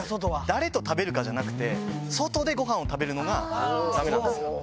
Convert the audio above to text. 誰と食べるかじゃなくて、外でごはんを食べるのがだめなんです。